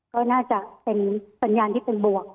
ก็น่าจะเป็นสัญญาณที่เป็นบวก